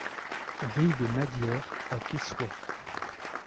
Rue des Madières à Quessoy